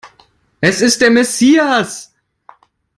Es ist der Messias!